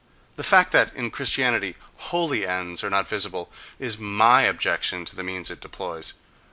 The fact that, in Christianity, "holy" ends are not visible is my objection to the means it employs.